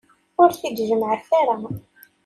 Ur t-id-jemmɛet ara.